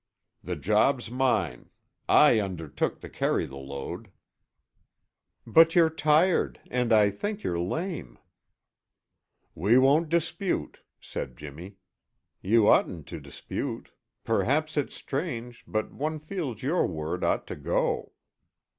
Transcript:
"The job's mine. I undertook to carry the load." "But you're tired, and I think you're lame." "We won't dispute," said Jimmy. "You oughtn't to dispute. Perhaps it's strange, but one feels your word ought to go."